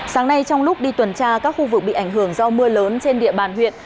sáng nay trong lúc đi tuần tra các khu vực bị ảnh hưởng do mưa lớn trên địa bàn huyện